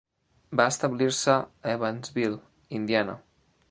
Va establir-se a Evansville, Indiana.